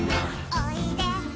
おいで。